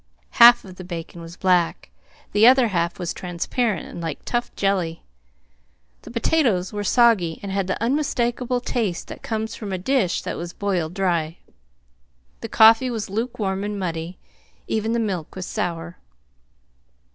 Half of the bacon was black; the other half was transparent and like tough jelly. The potatoes were soggy, and had the unmistakable taste that comes from a dish that has boiled dry. The coffee was lukewarm and muddy. Even the milk was sour.